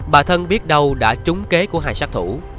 bà thân biết đâu đã trúng kế của hai sát thủ